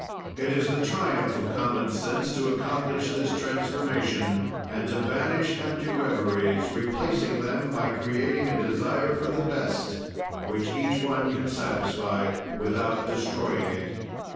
"It is the triumph of common sense to accomplish this transformation and to banish empty reveries, replacing them by creating a desire for the best, which each one can satisfy without destroying it.